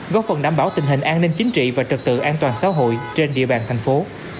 góp phần đảm bảo tình hình an ninh chính trị và trật tự an toàn xã hội trên địa bàn thành phố